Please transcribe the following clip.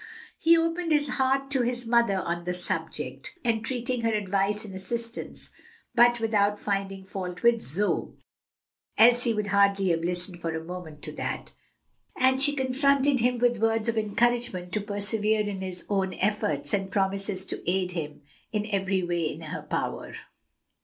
He opened his heart to his mother on the subject, entreating her advice and assistance, but without finding fault with Zoe (Elsie would hardly have listened for a moment to that), and she comforted him with words of encouragement to persevere in his own efforts, and promises to aid him in every way in her power.